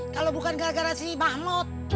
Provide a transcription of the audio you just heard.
kalau bukan gara gara si mahmud